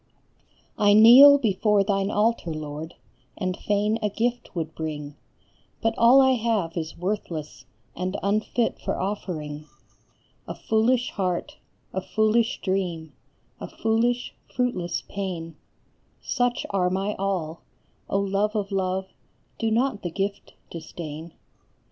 KNEEL before thine altar, Lord, and fain a gift would bring, But all I have is worthless and unfit for offering ; A foolish heart, a foolish dream, a foolish, fruitless pain, Such are my all ; O Love of Love, do not the gift disdain